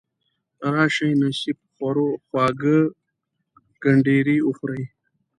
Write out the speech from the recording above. راشئ نصیب خورو خواږه کنډیري وخورئ.